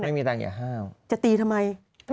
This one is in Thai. ไม่มีตังค์อย่าห้ามจะตีทำไม